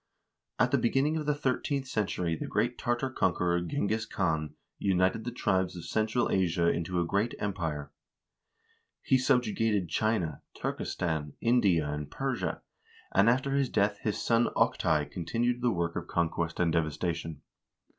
At the beginning of the thirteenth century the great Tartar conqueror Genghiz Khan united the tribes of central Asia into a great empire. He subjugated China, Turkestan, India, and Persia; and after his death his son Oktai continued the work of conquest and devastation.